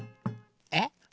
えっ？